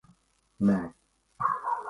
Nē.